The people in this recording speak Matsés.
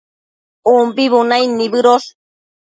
umbi bunaid nibëdosh